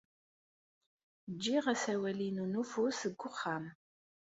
Ǧǧiɣ asawal-inu n ufus deg uxxam.